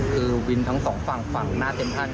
คือวินทั้ง๒ฝั่งฝั่งแซมพันธุ์